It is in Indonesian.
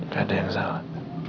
gak ada yang salah